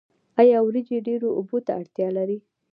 آیا وریجې ډیرو اوبو ته اړتیا لري؟